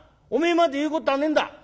「おめえまで言うことはねえんだ。